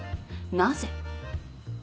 なぜ？